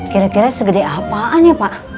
kira kira segede apaan ya pak